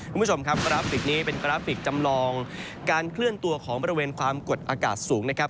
คุณผู้ชมครับกราฟิกนี้เป็นกราฟิกจำลองการเคลื่อนตัวของบริเวณความกดอากาศสูงนะครับ